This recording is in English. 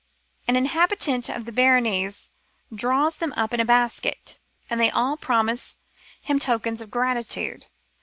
An inhabitant of Benares draws them up in a basket, and they all promise him tokens of gratitude.